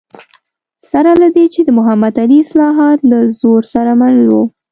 سره له دې چې د محمد علي اصلاحات له زور سره مل و.